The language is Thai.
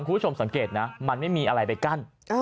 คุณผู้ชมสังเกตนะมันไม่มีอะไรไปกั้น